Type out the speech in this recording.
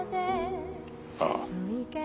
ああ。